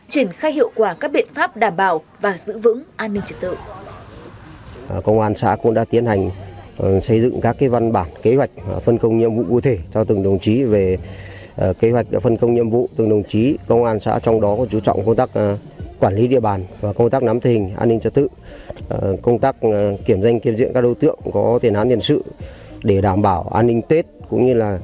triển khai hiệu quả các biện pháp đảm bảo và giữ vững an ninh trật tự